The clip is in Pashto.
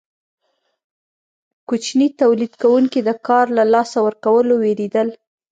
کوچني تولید کوونکي د کار له لاسه ورکولو ویریدل.